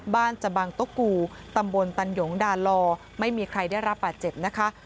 บ้านจบังตกูตำบลตันหยงดาลลอไม่มีใครได้รับประเจ็บนะคะ